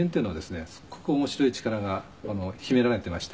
すごく面白い力が秘められていまして。